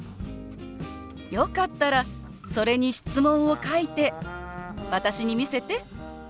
よかったらそれに質問を書いて私に見せて。